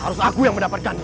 harus aku yang mendapatkannya